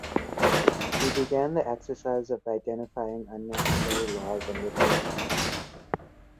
We began the exercise of identifying unnecessary laws and repealing them.